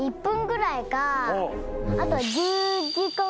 あと。